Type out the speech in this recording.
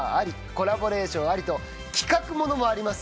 コラボレーションありと企画物もあります。